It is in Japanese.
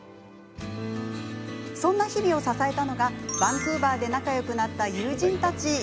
そんな日々を支えたのがバンクーバーで仲よくなった友人たち。